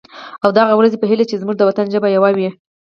او د هغه ورځې په هیله چې زمونږ د وطن ژبه یوه وي.